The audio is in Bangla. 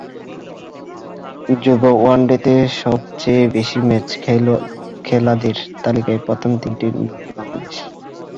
যুব ওয়ানডেতে সবচেয়ে বেশি ম্যাচ খেলাদের তালিকায় প্রথম তিনটি নামই বাংলাদেশের।